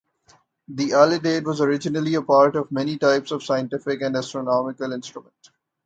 The alidade was originally a part of many types of scientific and astronomical instrument.